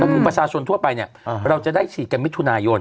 แล้วคุณประสาทส่วนทั่วไปเนี่ยเราจะได้ฉีดกันมิตรทุนายน